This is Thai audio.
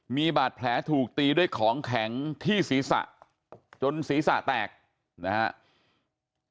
มีบาดแผลถูกตีด้วยของแข็งที่ศีรษะจนศีรษะแตกนะครับ